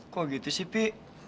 kok gitu sih pi